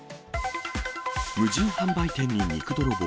無人販売店に肉泥棒。